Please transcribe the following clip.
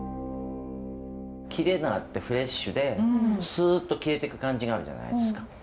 キレがあってフレッシュでスッと消えてく感じがあるじゃないですか。